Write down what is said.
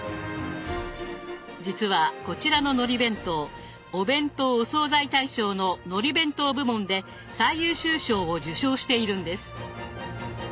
実はこちらののり弁当「お弁当・お惣菜大賞」ののり弁当部門で最優秀賞を受賞しているんです。